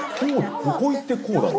ここ行ってこうだろ？